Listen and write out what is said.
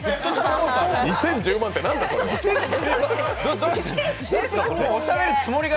２０１０万円ってなんだ、それは！